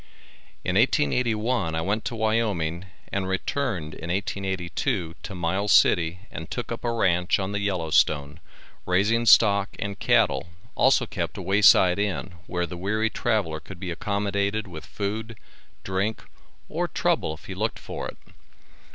In 1881 I went to Wyoming and returned in 1882 to Miles city and took up a ranch on the Yellow Stone, raising stock and cattle, also kept a way side inn, where the weary traveler could be accommodated with food, drink, or trouble if he looked for it.